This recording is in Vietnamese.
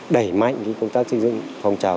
đẩy mạnh công tác xây dựng phong trào